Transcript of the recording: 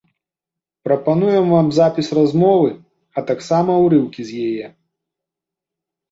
Прапануем вам запіс размовы, а таксама ўрыўкі з яе.